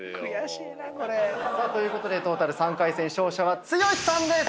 さあということでトータル３回戦勝者は剛さんです！